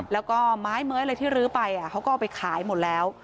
แล้วก็ไม้เม้ยอะไรที่ลื้อไปเขาก็เอาไปขายหมดแล้ว